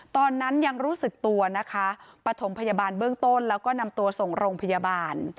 ตอนนั้นยังรู้สึกตัวนะคะปฐมพยาบาลเบื้องต้นแล้วก็นำตัวส่งโรงพยาบาล